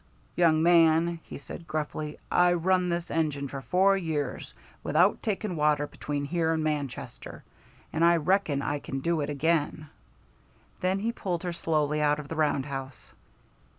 "Young man," he said gruffly, "I run this engine for four years without taking water between here and Manchester, and I reckon I can do it agin." Then he pulled her slowly out of the roundhouse.